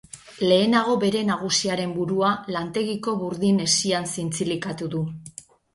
Lehenago bere nagusiaren burua lantegiko burdin hesian zintzilikatu du.